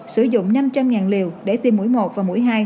sử dụng năm trăm linh liều để tiêm mũi một và mũi hai